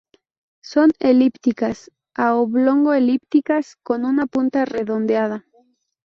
Son elípticas a oblongo-elípticas, con una punta redondeada.